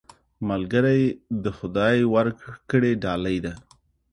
ملګری د خدای ورکړه ډالۍ ده